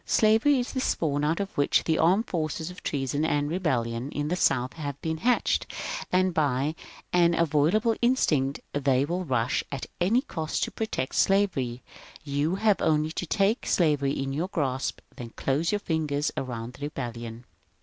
Slavery is the spawn out of which the armed forces of treason and rebellion in the South have been hatched ; and by an inviolable instinct they will rush, at any cost, to protect slavery. You have only to take slavery in your grasp, then close your fingers around the rebellion.